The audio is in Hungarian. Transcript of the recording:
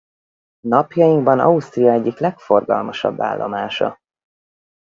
Napjainkban Ausztria egyik legforgalmasabb állomása.